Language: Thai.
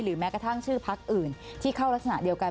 แม้กระทั่งชื่อพักอื่นที่เข้ารักษณะเดียวกัน